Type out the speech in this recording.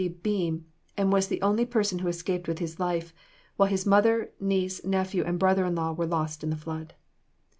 T. Beam, and was the only person who escaped with his life, while his mother, niece, nephew and brother in law were lost in the flood.